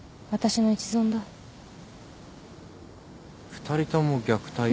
２人とも虐待を。